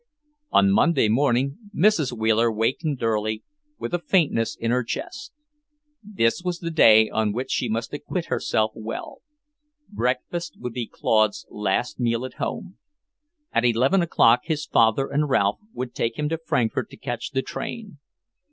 On Monday morning Mrs. Wheeler wakened early, with a faintness in her chest. This was the day on which she must acquit herself well. Breakfast would be Claude's last meal at home. At eleven o'clock his father and Ralph would take him to Frankfort to catch the train.